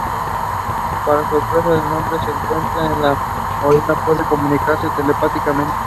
Para sorpresa del hombre, se da cuenta de que el gorila puede comunicarse telepáticamente.